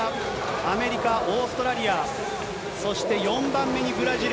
アメリカ、オーストラリア、そして４番目にブラジル。